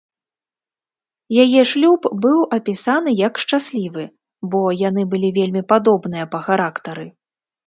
Яе шлюб быў апісаны як шчаслівы, бо яны былі вельмі падобныя па характары.